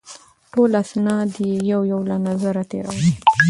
ټول اسناد یې یو یو له نظره تېرول.